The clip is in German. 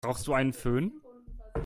Brauchst du einen Fön?